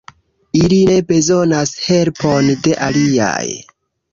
Ili ne bezonas helpon de aliaj.